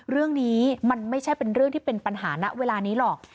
เรื่องนี้มันไม่ใช่เป็นเรื่องที่เป็นปัญหาณเวลานี้หรอก